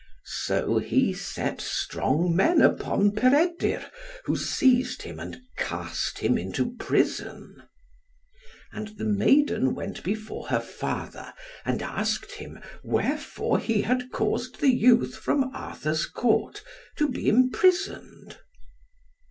So he set strong men upon Peredur, who seized him, and cast him into prison. And the maiden went before her father, and asked him, wherefore he had caused the youth from Arthur's Court to be imprisoned.